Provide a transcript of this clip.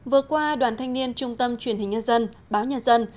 vừa qua đoàn thanh niên trung tâm truyền hình nhân dân báo nhân dân